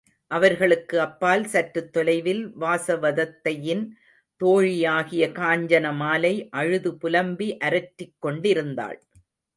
அவர்களுக்கு அப்பால் சற்றுத் தொலைவில் வாசவதத்தையின் தோழியாகிய காஞ்சன மாலை அழுது புலம்பி அரற்றிக் கொண்டிருந்தாள்.